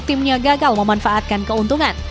timnya gagal memanfaatkan keuntungan